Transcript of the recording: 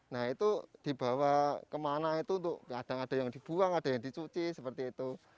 nah itu dibawa kemana itu untuk kadang ada yang dibuang ada yang dicuci seperti itu